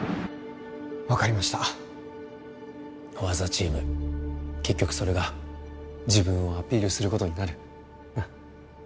分かりましたフォア・ザ・チーム結局それが自分をアピールすることになるなっ？